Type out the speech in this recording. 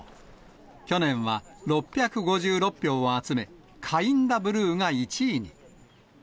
去年は６５６票を集め、カインダ・ブルーが１位に。